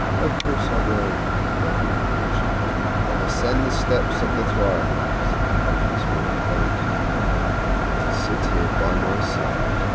"Of course I will," said Edred impatiently. "Then ascend the steps of the throne," said the Mouldiestwarp, very kindly now, "and sit here by my side."